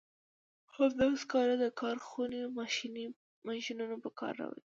همدا سکاره د کارخونې ماشینونه په کار راولي.